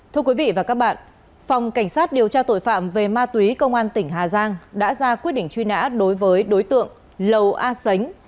thưa quý vị và các bạn phòng cảnh sát điều tra tội phạm về ma túy công an tỉnh hà giang đã ra quyết định truy nã đối với đối tượng lầu a sánh